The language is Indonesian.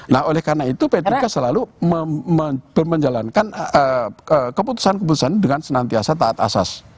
nah oleh karena itu p tiga selalu menjalankan keputusan keputusan dengan senantiasa taat asas